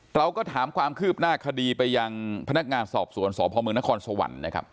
เราก็ถามความคืบหน้าคดีไปยังพนักงานสอบสวนสพมนครสวรรค์นะครับ